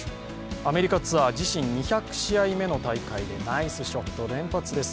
アメリカツアー自身２００試合目の大会でナイスショット連発です。